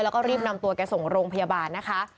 แล้วก็รีบนำตัวแกส่งโรงพยาบาลนะคะ